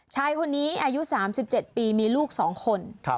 ชายคนนี้อายุ๓๗ปีมีลูก๒คน